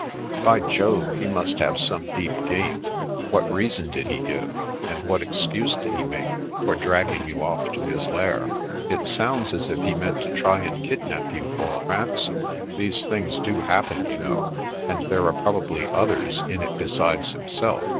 " By Jove, he must have some deep game. What reason did he give, and what excuse did he make, for dragging you off to his lair? It sounds as if he meant to try and kidnap you for a ransom — (these things do happen, you know) — and there are prob ably others in it besides himself.